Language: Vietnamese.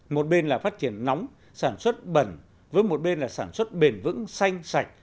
một bên là phát triển nóng sản xuất bẩn với một bên là sản xuất bền vững xanh sạch